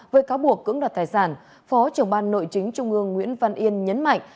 với cáo buộc cưỡng đoạt tài sản phó trưởng ban nội chính trung ương nguyễn văn yên nhấn mạnh